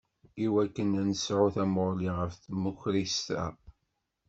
Iwakken ad nesɛu tamuɣli ɣef tmukrist-a.